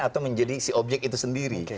atau menjadi si objek itu sendiri